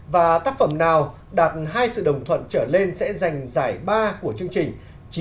và tác phẩm nào đạt hai sự đồng thuận trở lên sẽ giành giải ba của chương trình